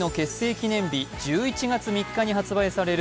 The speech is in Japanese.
記念日１１月３日に発売される